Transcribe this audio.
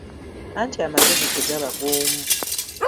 Anti amagezi tegaba g'omu.